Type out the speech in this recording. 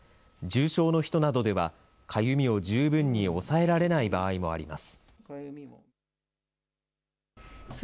重症の人などでは、かゆみを十分に抑えられない場合もあります。